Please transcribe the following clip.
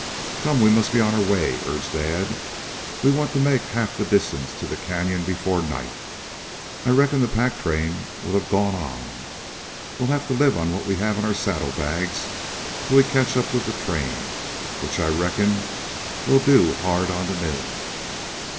"Come, we must be on our way," urged Dad. "We want to make half the distance to the Canyon before night. I reckon the pack train will have gone on. We'll have to live on what we have in our saddle bags till we catch up with the train, which I reckon we'll do hard onto noon."